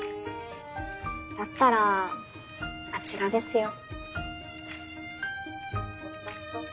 だったらあちらですよ。